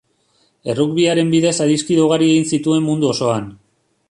Errugbiaren bidez adiskide ugari egin zituen mundu osoan.